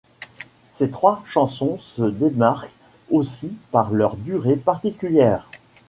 Ces trois chansons se démarquent aussi par leur durée particulière.